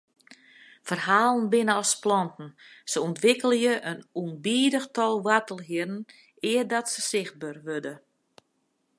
Ferhalen binne as planten, se ûntwikkelje in ûnbidich tal woartelhierren eardat se sichtber wurde.